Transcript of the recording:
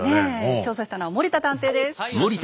調査したのは森田探偵です。